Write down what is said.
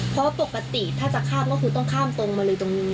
เพราะปกติถ้าจะข้ามก็คือต้องข้ามตรงมาเลยตรงนี้